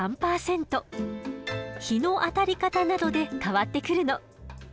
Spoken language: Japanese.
日の当たり方などで変わってくるの。